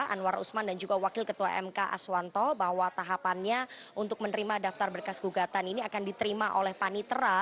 anwar usman dan juga wakil ketua mk aswanto bahwa tahapannya untuk menerima daftar berkas gugatan ini akan diterima oleh panitera